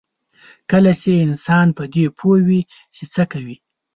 کله چې انسان په دې پوه وي چې څه کوي.